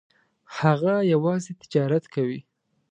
هغه یوازې تجارت کوي.